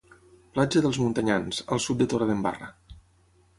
Platja d'Els Muntanyans, al sud de Torredembarra.